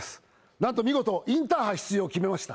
なんと見事、インターハイ出場を決めました。